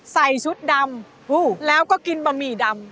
ใส่ชุดดำแล้วก็กินบะหมี่ดำ